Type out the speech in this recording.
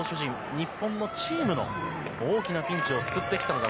日本のチームの大きなピンチを救ってきたのが